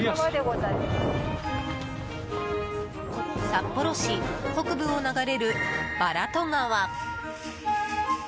札幌市北部を流れる茨戸川。